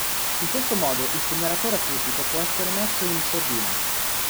In questo modo il segnalatore acustico può essere messo in "sordina".